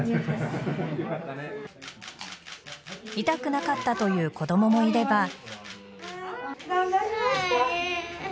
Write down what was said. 痛くなかったという子供もいれば。